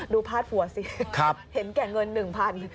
ดูพลาดผัวสิเห็นแก่เงินหนึ่งพัน